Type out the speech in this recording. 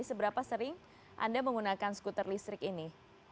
seberapa sering anda menggunakan skuter listrik ini